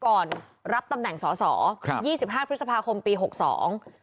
ก่อนรับตำแหน่งสอสอครับยี่สิบห้าพฤษภาคมปีหกสอง